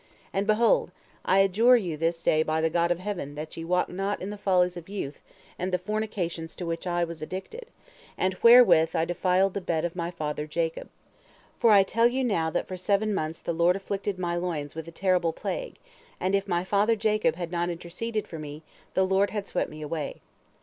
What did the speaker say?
And, behold, I adjure you this day by the God of heaven that ye walk not in the follies of youth and the fornications to which I was addicted, and wherewith I defiled the bed of my father Jacob. For I tell you now that for seven months the Lord afflicted my loins with a terrible plague, and if my father Jacob had not interceded for me, the Lord had swept me away.